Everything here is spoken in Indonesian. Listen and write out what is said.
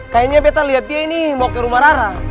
kayaknya betta liat dia ini mau ke rumah rara